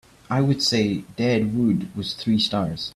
I would say Dead Wood was three stars